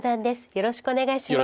よろしくお願いします。